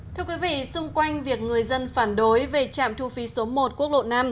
thưa quý vị xung quanh việc người dân phản đối về trạm thu phí số một quốc lộ năm